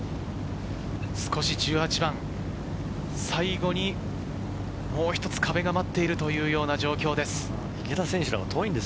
１８番、少し最後にもう一つ壁が待っているというような状況です。